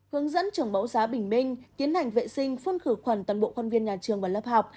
hướng dẫn trưởng bẫu giá bình minh tiến hành vệ sinh phun khử khuẩn toàn bộ khuôn viên nhà trường và lớp học